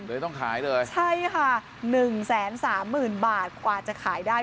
เลยต้องขายด้วยใช่ค่ะ๑๓๐๐๐๐บาทกว่าจะขายได้